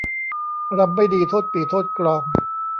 รำไม่ดีโทษปี่โทษกลอง